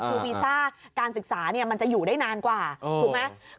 คือวีซ่าการศึกษามันจะอยู่ได้นานกว่าถูกไหม